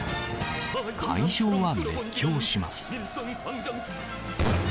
会場は熱狂します。